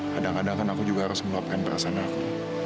kadang kadang kan aku juga harus meluapkan perasaan aku